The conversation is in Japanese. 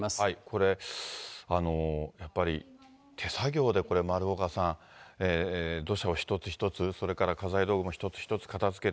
これ、やっぱり手作業で、丸岡さん、土砂を一つ一つ、それから家財道具も一つ一つ片づけ